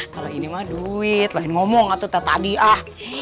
kalau ini mah duit lain ngomong atau teh tadi ah